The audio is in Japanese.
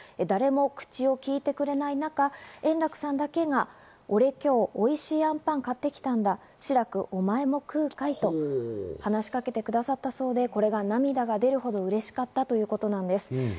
誰も口をきいてくれない中、円楽さんだけが俺、今日おいしいあんパンを買ってきたんだ志らく、お前も食うかい？と話しかけてくださったそうで、これが涙が出るほどうれしかったということです。